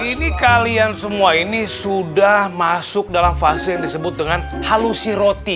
ini kalian semua ini sudah masuk dalam fase yang disebut dengan halusi roti